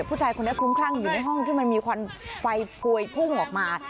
ผู้ชายคนนี้คลุ้มคลั่งอยู่ในห้องที่มันมีควันไฟกวยพุ่งออกมา